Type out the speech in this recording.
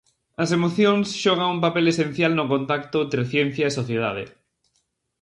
As emocións xogan un papel esencial no contacto entre ciencia e sociedade.